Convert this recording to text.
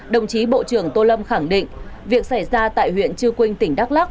đồng chí bộ trưởng tô lâm khẳng định việc xảy ra tại huyện chư quynh tỉnh đắk lắc